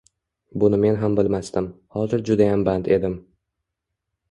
Buni men ham bilmasdim. Hozir judayam band edim.